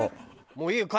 「もういいよ！